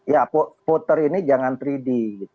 ya voter ini jangan tiga d